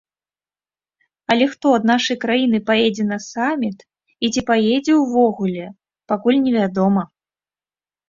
Але хто ад нашай краіны паедзе на саміт і ці паедзе ўвогуле, пакуль невядома.